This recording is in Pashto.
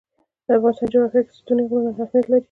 د افغانستان جغرافیه کې ستوني غرونه ستر اهمیت لري.